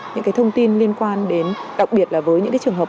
những cái thông tin liên quan đến đặc biệt là với những trường hợp